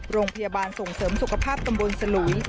โรงพยาบาลส่งเสริมสุขภาพตำบลสลุย